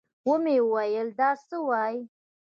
ومې ويل دا څه وايې.